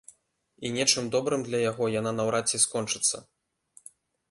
І нечым добрым для яго яна наўрад ці скончыцца.